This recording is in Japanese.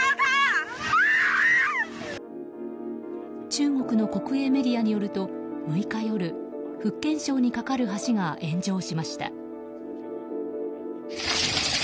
中国の国営メディアによると６日夜福建省に架かる橋が炎上しました。